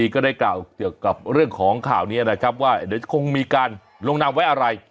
ก็ได้กล่าวเกี่ยวกับเรื่องของข่าวนี้นะครับว่าเดี๋ยวจะคงมีการลงนามไว้อะไร